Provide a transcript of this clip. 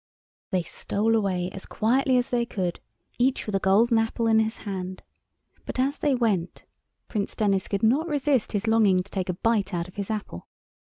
They stole away as quietly as they could, each with a gold apple in his hand, but as they went Prince Denis could not resist his longing to take a bite out of his apple.